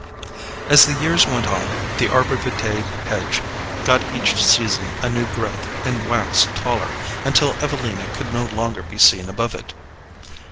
As the years went on, the arbor vitae hedge got each season a new growth and waxed taller, until Evelina could no longer be seen above it.